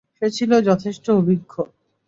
সে ছিল যথেষ্ট অভিজ্ঞ।